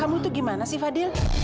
kamu tuh gimana sih fadil